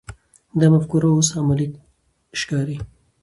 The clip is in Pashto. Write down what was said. دا مفکوره اوس عملي ښکاري.